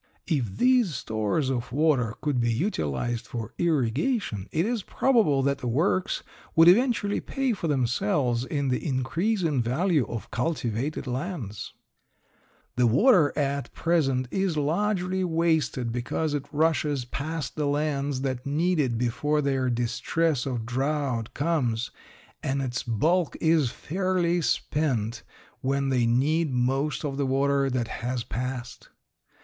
If these stores of water could be utilized for irrigation it is probable that the works would eventually pay for themselves in the increase in value of cultivated lands. The water at present is largely wasted because it rushes past the lands that need it before their distress of drouth comes, and its bulk is fairly spent when they need most the water that has passed.